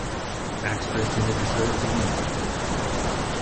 Baxter attended the service anyway.